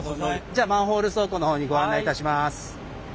じゃあマンホール倉庫の方にご案内いたします。